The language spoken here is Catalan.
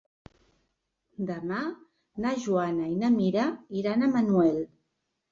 Demà na Joana i na Mira iran a Manuel.